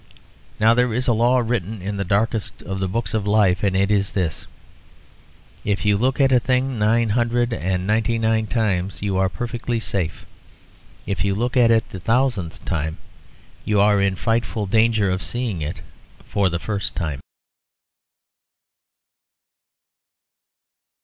Now, there is a law written in the darkest of the Books of Life, and it is this: If you look at a thing nine hundred and ninety nine times, you are perfectly safe; if you look at it the thousandth time, you are in frightful danger of seeing it for the first time.